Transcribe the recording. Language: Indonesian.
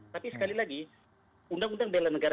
tapi sekali lagi undang undang bela negara